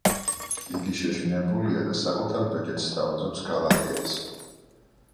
იგი შეშინებულია და საკუთარ ბეჭედს სთავაზობს გალადრიელს.